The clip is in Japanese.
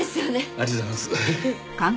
ありがとうございます。